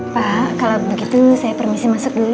pak kalau begitu saya permisi masuk dulu